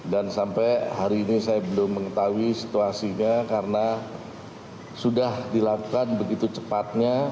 dan sampai hari ini saya belum mengetahui situasinya karena sudah dilakukan begitu cepatnya